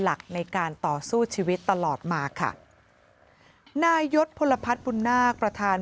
หลักในการต่อสู้ชีวิตตลอดมาค่ะนายศพลพัฒน์บุญนาคประธาน